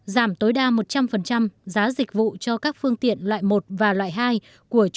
giảm tối đa một trăm linh giá dịch vụ cho các phương tiện loại một và loại hai của chủ sở hữu có hộ khách